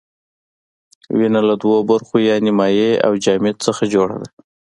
وینه له دوو برخو یعنې مایع او جامد څخه جوړه ده.